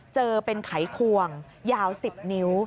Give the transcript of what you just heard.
เจอเป็นไขควงยาว๑๐นิ้ว